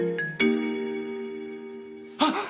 あっ！